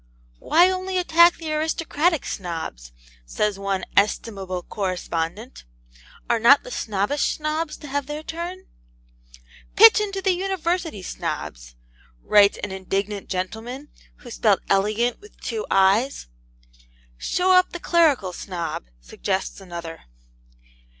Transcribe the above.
'Why only attack the aristocratic Snobs?' says one 'estimable correspondent: 'are not the snobbish Snobs to have their turn?' 'Pitch into the University Snobs!' writes an indignant gentleman (who spelt ELEGANT with two I's) 'Show up the Clerical Snob,' suggests another.